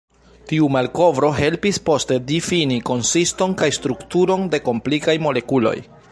Tiu malkovro helpis poste difini konsiston kaj strukturon de komplikaj molekuloj.